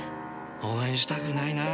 応援したくないな。